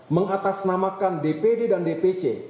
mengatasnamakan dpd dan dpc